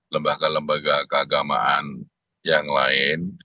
lembaga lembaga keagamaan yang lain